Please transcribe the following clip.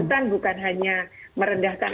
ketakutan bukan hanya merendahkan